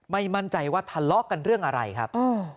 ไม่มั่นใจว่าทะเลาะกันเรื่องอะไรครับ